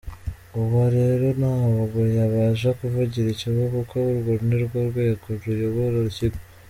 Uwo rero ntabwo yabasha kuvugira ikigo kuko urwo nirwo rwego ruyobora ikigo.